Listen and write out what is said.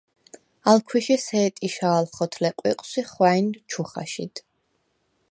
ალ ქვიშე სე̄ტიშა̄ლ ხოთლე ყვიყვს ი ხვა̄̈ჲნ ჩუ ხაშიდ.